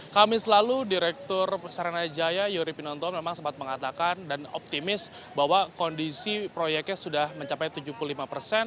kami selalu direktur peksaren raya jaya yori pinonton memang sempat mengatakan dan optimis bahwa kondisi proyeknya sudah mencapai tujuh